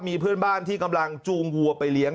มีเพื่อนบ้านที่กำลังจูงวัวไปเลี้ยง